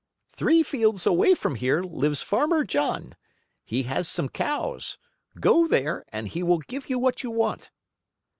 "Three fields away from here lives Farmer John. He has some cows. Go there and he will give you what you want."